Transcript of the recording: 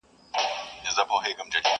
سیند بهیږي غاړي غاړي د زلمیو مستي غواړي؛